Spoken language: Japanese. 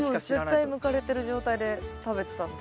絶対むかれてる状態で食べてたんで。